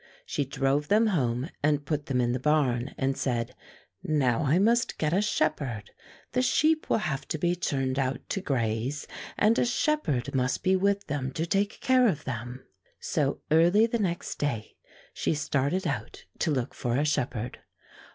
She drove them home and put them in the barn and said: "'Now I must get a shepherd. The sheep will have to be turned out to graze, and a shepherd must be with them to take care of them.'' So early the next day she started out to look for a shepherd.